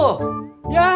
ya dia marah